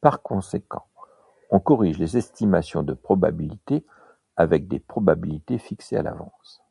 Par conséquent, on corrige les estimations de probabilités avec des probabilités fixées à l'avance.